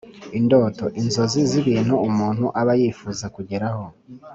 indoto: inzozi z’ibintu umuntu aba y’ifuza kugeraho